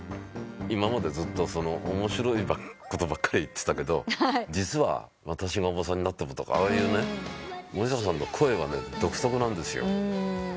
今までずっと面白いことばっかり言ってたけど実は『私がオバさんになっても』とか森高さんの声は独特なんですよ。